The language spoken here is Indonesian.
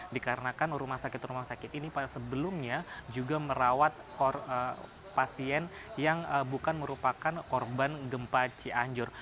dikarenakan rumah sakit rumah sakit ini sebelumnya juga merawat pasien yang bukan merupakan korban gempa cianjur